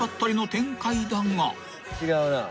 違うな。